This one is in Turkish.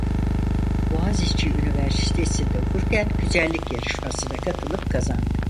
Boğaziçi Üniversitesi'nde okurken güzellik yarışmasına katılıp kazandı.